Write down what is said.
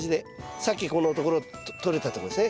さっきこのところ取れたとこですね。